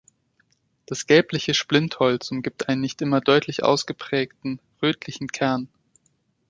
Das gelbliche Splintholz umgibt einen nicht immer deutlich ausgeprägten, rötlichen Kern.